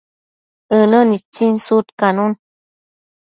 ënë nitsin sudcanun